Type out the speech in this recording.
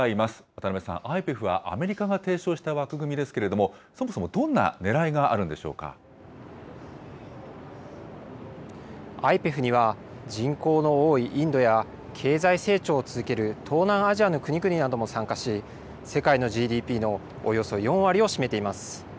渡邊さん、ＩＰＥＦは、アメリカが提唱した枠組みですけれども、そもそもどんなねらいがあるんでＩＰＥＦには、人口の多いインドや、経済成長を続ける東南アジアの国々なども参加し、世界のＧＤＰのおよそ４割を占めています。